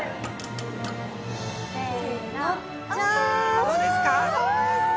どうですか？